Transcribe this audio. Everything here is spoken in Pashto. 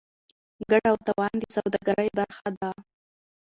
ګټه او تاوان د سوداګرۍ برخه ده.